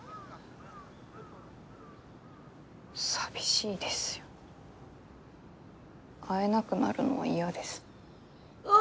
寂しいですよ会えなくなるのは嫌です。